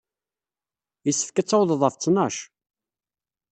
Yessefk ad tawḍeḍ ɣef ttnac.